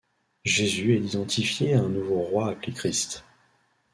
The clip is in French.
Jésus est identifié à un nouveau roi appelé Christ.